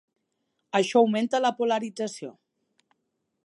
Això augmenta la polarització.